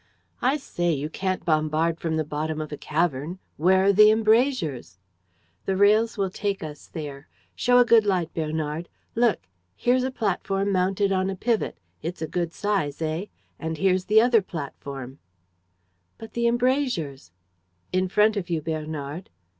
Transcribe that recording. "I say! You can't bombard from the bottom of a cavern! Where are the embrasures?" "The rails will take us there. Show a good light, Bernard. Look, here's a platform mounted on a pivot. It's a good size, eh? And here's the other platform." "But the embrasures?" "In front of you, Bernard."